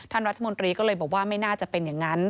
ท่านรัฐมนตรีก็เลยบอกว่าไม่น่าจะเป็นอย่างนั้น